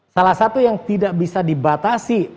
salah satu yang tidak bisa dibatasi